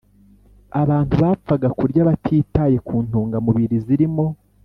abantu bapfaga kurya batitaye ku ntungamubiri zirimo